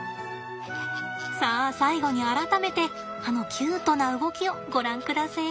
さあ最後に改めてあのキュートな動きをご覧くだせえ。